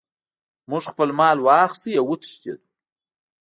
موږ خپل مال واخیست او وتښتیدو.